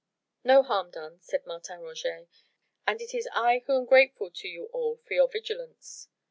"No harm done," said Martin Roget. "And it is I who am grateful to you all for your vigilance."